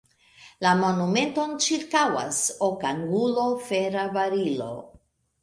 La monumenton ĉirkaŭas okangula, fera barilo.